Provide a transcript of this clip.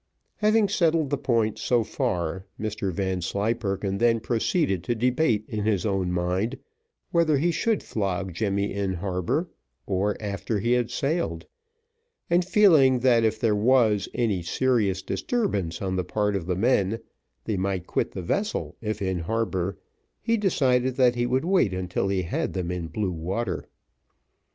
Having settled the point so far, Mr Vanslyperken then proceeded to debate in his own mind, whether he should flog Jemmy in harbour, or after he had sailed; and feeling that if there was any serious disturbance on part of the men, they might quit the vessel if in harbour, he decided that he would wait until he had them in blue water.